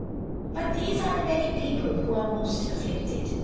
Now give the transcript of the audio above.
But these are the very people who are most afflicted.